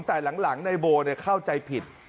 แต่หลังนายโบเข้าใจผิด